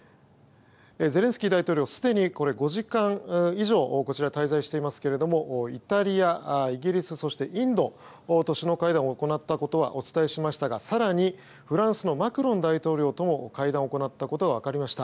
ゼレンスキー大統領はすでに５時間以上こちらに滞在していますがイタリア、イギリスそしてインドと首脳会談を行ったことはお伝えしましたが更に、フランスのマクロン大統領とも会談を行ったことが分かりました。